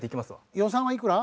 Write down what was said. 予算はいくら？